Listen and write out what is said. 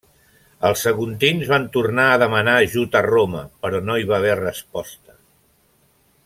Els saguntins van tornar a demanar ajut a Roma però no hi va haver resposta.